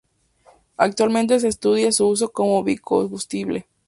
Actualmente se estudia su uso como biocombustible.